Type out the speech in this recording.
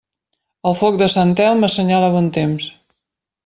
El foc de Sant Telm assenyala bon temps.